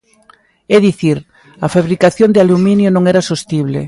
É dicir, a fabricación de aluminio non era sostible.